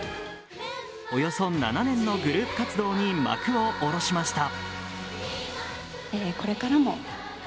およそ７年のグループ活動に幕を下ろしました。